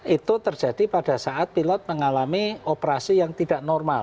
itu terjadi pada saat pilot mengalami operasi yang tidak normal